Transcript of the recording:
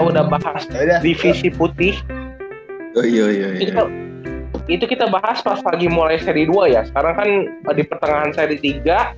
udah bahas divisi putih itu kita bahas pas lagi mulai seri dua ya sekarang kan di pertengahan seri tiga